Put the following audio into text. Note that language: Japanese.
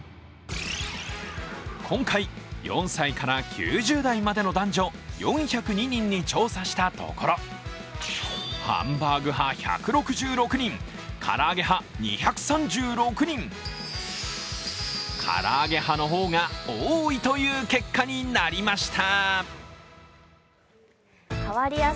今回、４歳から９０代までの男女４０２人に調査したところハンバーグ派１６６人、から揚げ派２３６人から揚げ派の方が多いという結果になりました